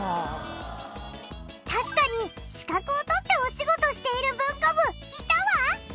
確かに資格を取ってお仕事している文化部いたわ。